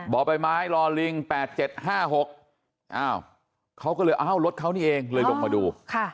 บอกไปไหมรอลิง๘๗๕๖เค้าก็เลยอ้าวรถเค้านี่เองเลยลงมาดู